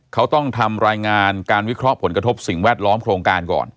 เขาต้องทำรายงานการวิเคราะห์ผลกระทบสิ่งแวดล้อมโครงการก่อน